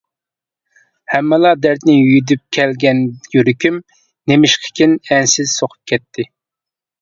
ھەممىلا دەردنى يۈدۈپ كەلگەن يۈرىكىم نېمىشقىكىن ئەنسىز سوقۇپ كەتتى.